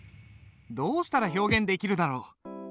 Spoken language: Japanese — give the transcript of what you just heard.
どうしたら表現できるだろう。